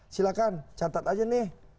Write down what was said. silahkan catat aja nih